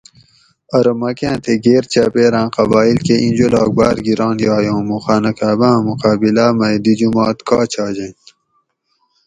ارو مکّاں تے گیر چاپیراۤں قبائیل کہ اِیں جولاگ باۤر گِران یائے اُوں مُو خانہ کعبہ آں مقابلاۤ مئی دی جُمات کا چاجین